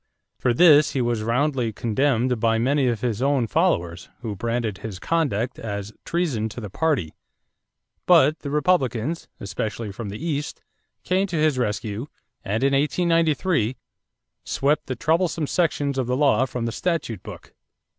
For this he was roundly condemned by many of his own followers who branded his conduct as "treason to the party"; but the Republicans, especially from the East, came to his rescue and in 1893 swept the troublesome sections of the law from the statute book.